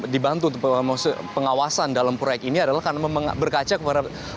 dibantu untuk pengawasan dalam proyek ini adalah karena memang berkaca kepada